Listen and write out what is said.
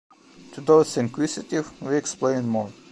To those inquisitive, we explain more.